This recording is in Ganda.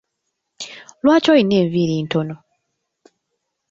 Lwaki olina enviiri ntono?